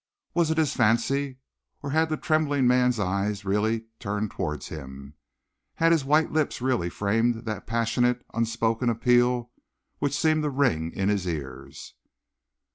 Was it his fancy, or had the trembling man's eyes really turned towards him had his white lips really framed that passionate, unspoken appeal which seemed to ring in his ears?